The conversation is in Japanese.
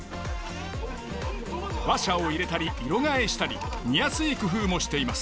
話者を入れたり色替えしたり見やすい工夫もしています。